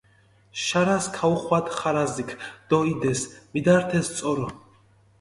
შარას ქაუხვადჷ ხარაზიქჷ დო იდეს, მიდართეს წორო.